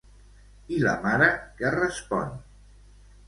I la mare què respon?